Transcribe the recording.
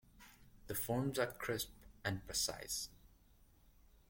The forms are crisp and precise.